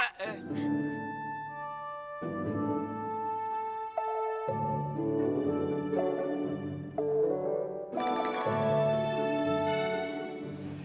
ya yaudah pak